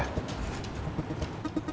maksud om apa ya